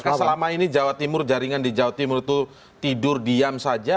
apakah selama ini jawa timur jaringan di jawa timur itu tidur diam saja